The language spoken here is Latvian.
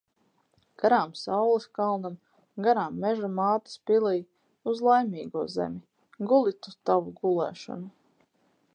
Garām saules kalnam, garām Meža mātes pilij. Uz Laimīgo zemi. Guli tu tavu gulēšanu!